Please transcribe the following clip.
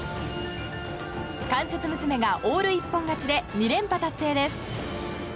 関節むすめがオール一本勝ちで２連覇達成です。